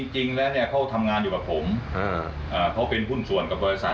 จริงแล้วเนี่ยเขาทำงานอยู่กับผมเขาเป็นหุ้นส่วนกับบริษัท